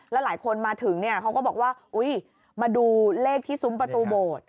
แล้วหลายคนมาถึงเนี่ยเขาก็บอกว่าอุ๊ยมาดูเลขที่ซุ้มประตูโบสถ์